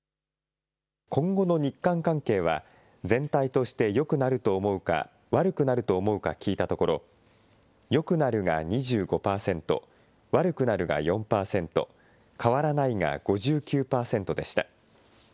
今後の日韓関係は、全体としてよくなると思うか、悪くなると思うか聞いたところ、よくなるが２５％、悪くなるが４％、変わらないが５９％でした。